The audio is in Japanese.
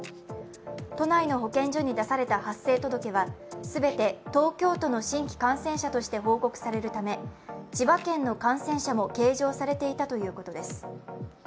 都内の保健所に出された発生届はすぐに、新規感染者として報告されるため千葉県の感染者も計上されていたということです。